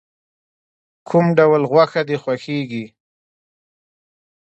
کوم ډول غوښه د خوښیږی؟